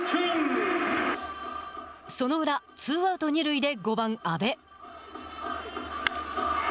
その裏、ツーアウト、二塁で５番、阿部。